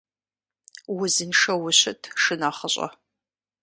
Узыншэу ущыт шынэхъыщӀэ!